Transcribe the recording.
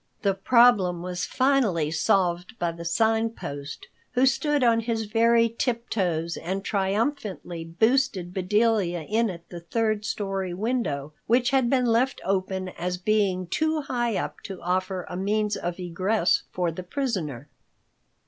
The problem was finally solved by the Sign Post, who stood on his very tiptoes and triumphantly boosted Bedelia in at the third story window, which had been left open as being too high up to offer a means of egress for the prisoner.